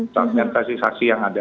tentang identifikasi yang ada